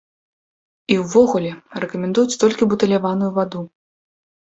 І ўвогуле рэкамендуюць толькі бутыляваную ваду.